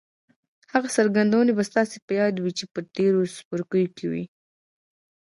هغه څرګندونې به ستاسې په ياد وي چې په تېرو څپرکو کې وې.